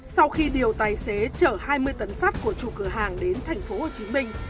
sau khi điều tài xế chở hai mươi tấn sắt của chủ cửa hàng đến thành phố hồ chí minh